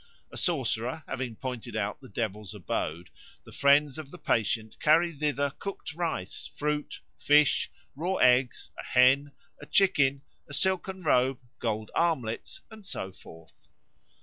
A sorcerer having pointed out the devil's abode, the friends of the patient carry thither cooked rice, fruit, fish, raw eggs, a hen, a chicken, a silken robe, gold, armlets, and so forth.